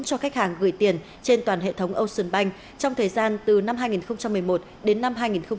cho khách hàng gửi tiền trên toàn hệ thống ocean bank trong thời gian từ năm hai nghìn một mươi một đến năm hai nghìn một mươi tám